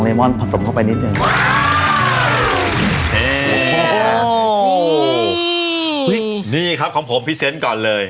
เฮ้อโอ้เฮ้อนี้นี่ครับของผมพีเซนต์ก่อนเลย